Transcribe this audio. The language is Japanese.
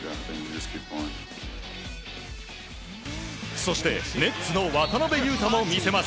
そして、レッズの渡邊雄太も見せます。